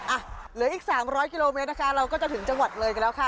อ่ะเหลืออีก๓๐๐กิโลเมตรนะคะเราก็จะถึงจังหวัดเลยกันแล้วค่ะ